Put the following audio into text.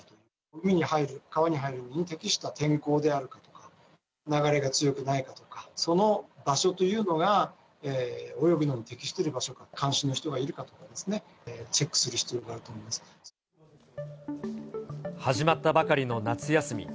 海に入る、川に入るのに適した天候であるかとか、流れが強くないかとか、その場所というのが、泳ぐのに適しているか、監視の人がいるかとかですね、チェックす始まったばかりの夏休み。